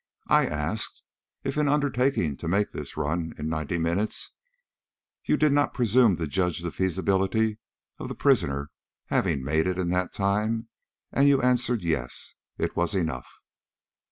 I asked if in undertaking to make this run in ninety minutes you did not presume to judge of the feasibility of the prisoner having made it in that time, and you answered, 'Yes.' It was enough."